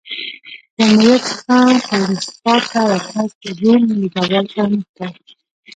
جمهوریت څخه پرنسیپات ته ورتګ روم له زوال سره مخ کړ